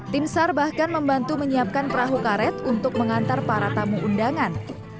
tim sar bahkan membantu menyiapkan perahu karet untuk mengantar para tamu undangan